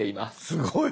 すごい！